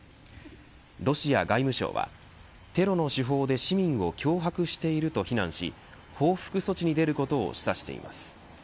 ロシア外務省はテロの手法で市民を脅迫していると非難し報復措置に出ることを示唆しています。